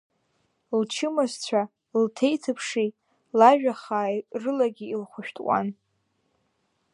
Лчымазцәа лҭеиҭыԥши лажәа хааи рылагьы илхәшәтәуан.